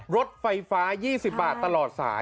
รถไฟฟ้า๒๐บาทตลอดสาย